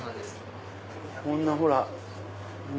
こんなほら。